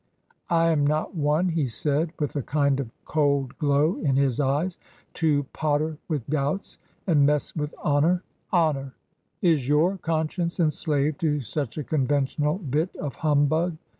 " I am not one," he said, with a kind of cold glow in his eyes, " to potter with doubts and mess with honour. Honour ! Is your conscience enslaved to such a con ventional bit of humbug